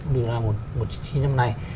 uniroa một nghìn chín trăm chín mươi năm này